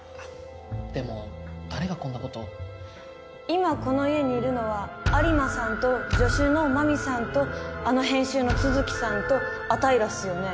今この家にいるのは有馬さんと助手の真美さんとあの編集の都築さんとあたいらっすよね。